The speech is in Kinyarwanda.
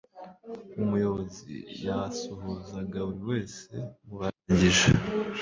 umuyobozi yasuhuzaga buri wese mu barangije